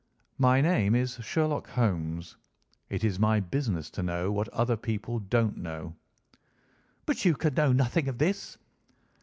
"My name is Sherlock Holmes. It is my business to know what other people don't know." "But you can know nothing of this?"